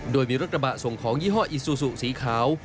โดยมีรถกระบะส่งของยี่ห้ออีซูซูสีขาว